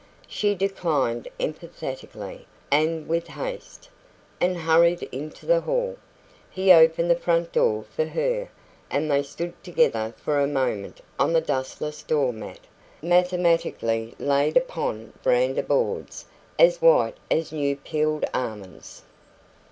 She declined emphatically and with haste, and hurried into the hall. He opened the front door for her, and they stood together for a moment on the dustless door mat, mathematically laid upon verandah boards as white as new peeled almonds.